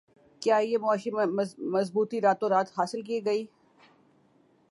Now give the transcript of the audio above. کیا یہ معاشی مضبوطی راتوں رات حاصل کی گئی